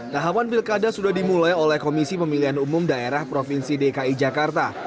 tahapan pilkada sudah dimulai oleh komisi pemilihan umum daerah provinsi dki jakarta